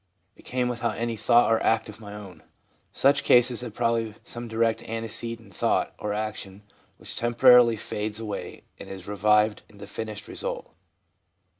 It came without any thought or act of my own/ Such cases have probably some direct antecedent in thought or action which temporarily fades away and is revived in the finished result.